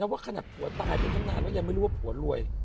ว่าขนาดผัวตายไปตั้งนานแล้วยังไม่รู้ว่าผัวรวย